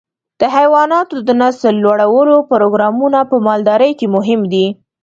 د حيواناتو د نسل لوړولو پروګرامونه په مالدارۍ کې مهم دي.